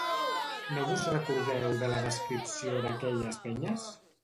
No vos recordeu de la descripció d'aquelles penyes?